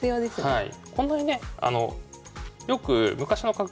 はい。